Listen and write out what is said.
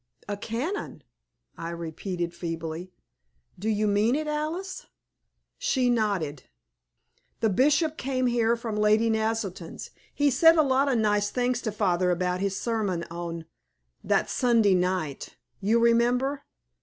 "A canon!" I repeated, feebly. "Do you mean it, Alice?" She nodded. "The Bishop came here from Lady Naselton's. He said a lot of nice things to father about his sermon on that Sunday night you remember."